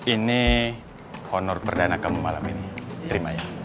ini honor perdana kamu malam ini terima kasih